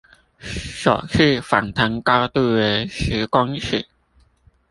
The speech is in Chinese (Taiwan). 首次反彈高度為十公尺